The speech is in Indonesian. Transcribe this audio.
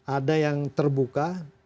ada yang terbuka